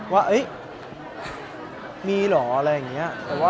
ว่ามีเหรออะไรอย่างนี้